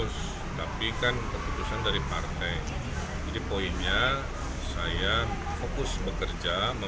seperti menurut semua wang rumput kerasi coloc implicit